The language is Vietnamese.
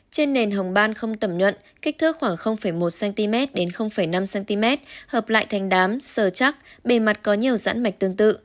trên nền hồng ban không tẩm nhuận kích thước khoảng một cm đến năm cm hợp lại thành đám sờ chắc bề mặt có nhiều dãn mạch tương tự